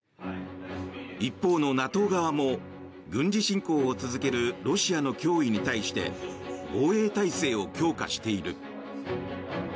一方のＮＡＴＯ側も軍事侵攻を続けるロシアの脅威に対して防衛態勢を強化している。